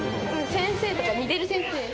先生とか似てる先生。